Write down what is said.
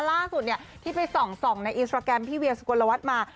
ล่าสุดเนี่ยที่ไปส่องในอินสตราแกรมพี่เวียสุโกนละวัดมา